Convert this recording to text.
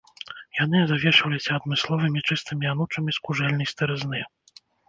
Яны завешваліся адмысловымі чыстымі анучамі з кужэльнай старызны.